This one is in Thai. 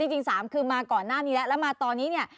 จริง๓คือมาก่อนหน้านี้แล้วแล้วมาตอนนี้เนี่ย